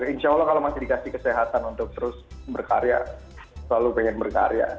insya allah kalau masih dikasih kesehatan untuk terus berkarya selalu pengen berkarya